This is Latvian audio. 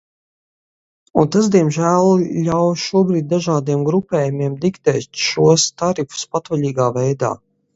Un tas diemžēl ļauj šobrīd dažādiem grupējumiem diktēt šos tarifus patvaļīgā veidā.